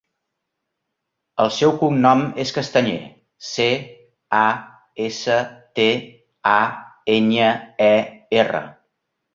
El seu cognom és Castañer: ce, a, essa, te, a, enya, e, erra.